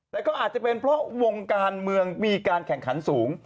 แต่ก็อาจจะเป็นเพราะวงการเมืองมีการแข่งขันสูง